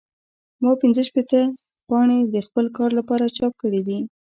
ما پنځه شپېته پاڼې د خپل کار لپاره چاپ کړې دي.